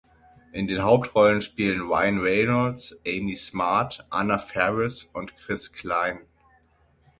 In den Hauptrollen spielen Ryan Reynolds, Amy Smart, Anna Faris und Chris Klein.